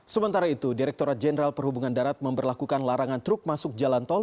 sementara itu direkturat jenderal perhubungan darat memperlakukan larangan truk masuk jalan tol